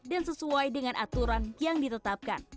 dan sesuai dengan aturan yang ditetapkan